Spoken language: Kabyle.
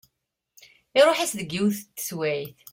Iruḥ-as deg yiwet n teswiɛt.